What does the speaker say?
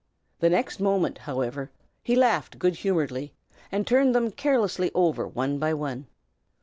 The next moment, however, he laughed good humoredly and turned them carelessly over one by one.